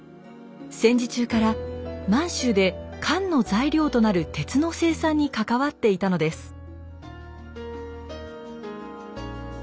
戦時中から満州で缶の材料となる鉄の生産に関わっていたのです。